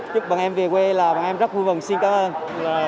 giúp bà con em về quê là bà con em rất vui vòng xin cảm ơn